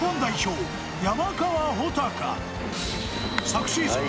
昨シーズン